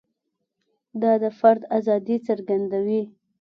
دا د فرد ازادي څرګندوي.